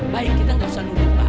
baik kita tidak usah lupa